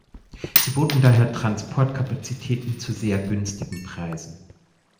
Sie boten daher Transportkapazitäten zu sehr günstigen Preisen.